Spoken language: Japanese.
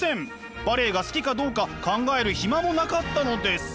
バレエが好きかどうか考える暇もなかったのです。